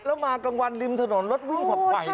แล้วมากังวัลริมถนนรถวื่องผมไปนะ